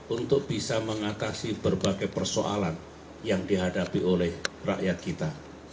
untuk bisa mengatasi berbagai persoalan yang dihadapi oleh rakyat kita